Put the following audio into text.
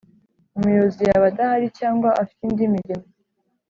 Umuyobozi yaba adahari cyangwa afite indi mirimo